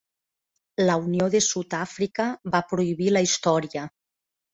La Unió de Sud-àfrica va prohibir la història.